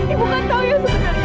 ibu kan tau ya sebenarnya